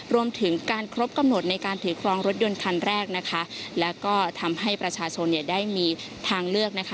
รวมถึงการครบกำหนดในการถือครองรถยนต์คันแรกนะคะแล้วก็ทำให้ประชาชนเนี่ยได้มีทางเลือกนะคะ